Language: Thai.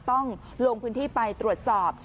ต้องลงพื้นที่ไปตรวจสอบ